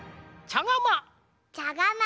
ちゃがま。